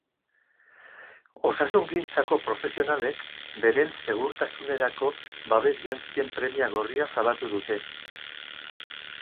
Osasungintzako profesionalek beren segurtasunerako babes-jantzien premia gorria salatu dute.